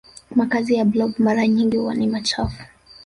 makazi ya blob mara nyingi huwa ni machafu